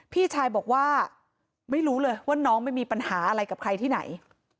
พี่ชายบอกว่าไม่รู้เลยว่าน้องไปมีปัญหาอะไรกับใครที่ไหน